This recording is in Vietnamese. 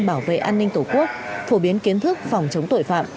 bảo vệ an ninh tổ quốc phổ biến kiến thức phòng chống tội phạm